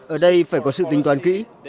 ở đây phải có sự tính toàn kỹ